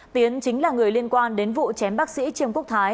tiến chính là người liên quan đến vụ chém bác sĩ trương quốc thái